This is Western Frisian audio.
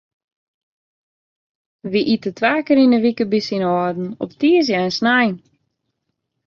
Wy ite twa kear yn de wike by syn âlden, op tiisdei en snein.